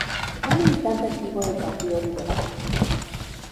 Fue militante activo del Partido Liberal.